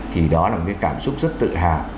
thì đó là một cái cảm xúc rất tự hào